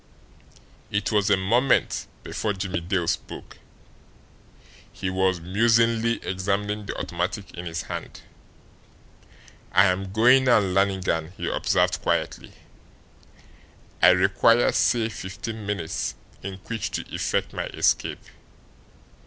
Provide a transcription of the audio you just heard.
It was a moment before Jimmie Dale spoke; he was musingly examining the automatic in his hand. "I am going now, Lannigan," he observed quietly. "I require, say, fifteen minutes in which to effect my escape.